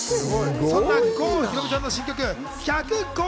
そんな郷ひろみさんの新曲『１００ＧＯ！